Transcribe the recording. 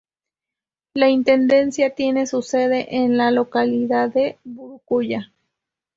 La intendencia tiene su sede en la localidad de Mburucuyá.